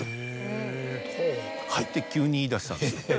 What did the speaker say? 急に言い出したんですよ。